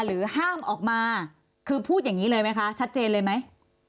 ห้ามออกมาคือพูดอย่างนี้เลยไหมคะชัดเจนเลยไหม